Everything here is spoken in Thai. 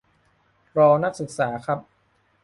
รอนักศึกษาครับ